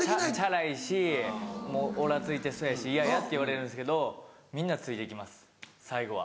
チャラいしもうオラついてそうやし嫌やって言われるんですけどみんなついて来ます最後は。